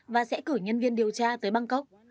và sẽ cử nhân viên điều tra tới bangkok